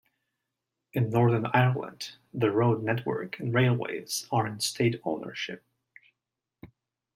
In Northern Ireland, the road network and railways are in state ownership.